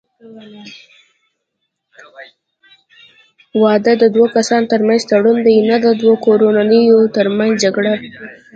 واده د دوه کسانو ترمنځ تړون دی، نه د دوو کورنیو ترمنځ جګړه.